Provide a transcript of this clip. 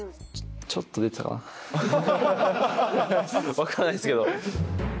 分かんないですけど。